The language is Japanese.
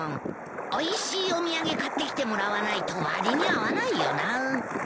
おいしいお土産買ってきてもらわないと割に合わないよな。